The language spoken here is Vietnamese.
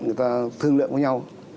người ta thương lượng với nhau